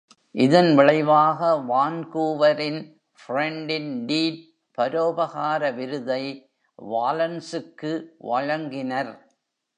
இதன் விளைவாக, வான்கூவரின் "Friend in Deed" பரோபகார விருதை, வாலன்ஸ்க்கு வழங்கினர்.